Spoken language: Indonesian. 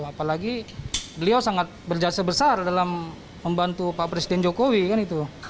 apalagi beliau sangat berjasa besar dalam membantu pak presiden jokowi kan itu